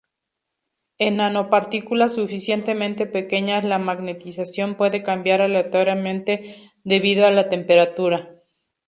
En nanopartículas suficientemente pequeñas la magnetización puede cambiar aleatoriamente debido a la temperatura.